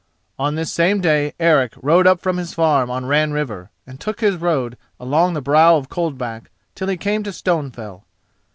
On this same day Eric rode up from his farm on Ran River and took his road along the brow of Coldback till he came to Stonefell.